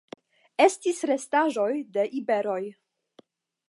Estis restaĵoj de iberoj.